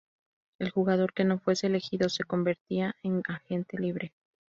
El jugador que no fuese elegido se convertía en agente libre.